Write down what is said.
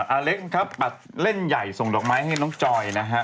อเล็กครับปัดเล่นใหญ่ส่งดอกไม้ให้น้องจอยนะฮะ